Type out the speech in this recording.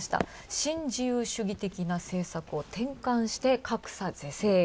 新自由主義的な政策を転換して格差是正へ。